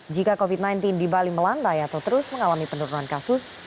jika covid sembilan belas di bali melandai atau terus mengalami penurunan kasus